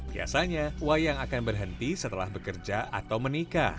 biasanya wayang akan berhenti setelah bekerja atau menikah